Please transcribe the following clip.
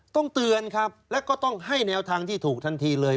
เตือนครับแล้วก็ต้องให้แนวทางที่ถูกทันทีเลย